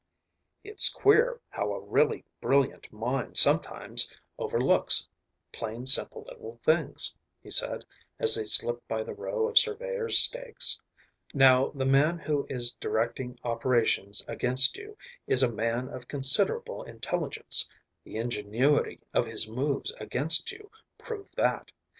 "It's queer how a really brilliant mind sometimes overlooks plain simple little things," he said as they slipped by the row of surveyor's stakes. "Now the man who is directing operations against you is a man of considerable intelligence, the ingenuity of his moves against you prove that.